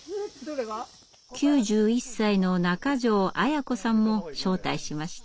９１歳の中條アヤ子さんも招待しました。